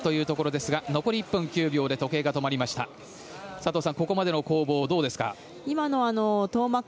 佐藤さん、ここまでの攻防どうでしょうか。